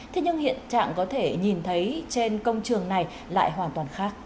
thế nhưng hiện trạng có thể nhìn thấy trên công trường này lại hoàn toàn khác